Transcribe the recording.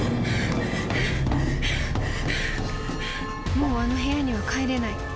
［もうあの部屋には帰れない。